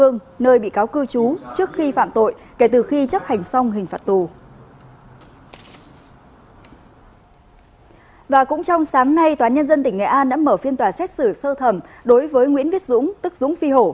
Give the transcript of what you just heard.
nghệ an đã mở phiên tòa xét xử sơ thẩm đối với nguyễn viết dũng tức dũng phi hổ